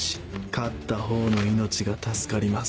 勝った方の命が助かります。